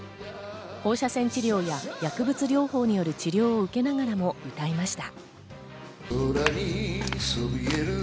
放射線治療や薬物療法による治療を受けながらも歌いました。